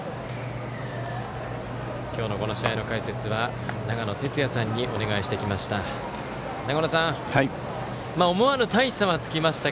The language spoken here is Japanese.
今日の試合の解説は長野哲也さんにお願いしてきました。